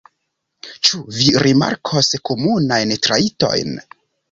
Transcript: Ĉu vi rimarkos komunajn trajtojn?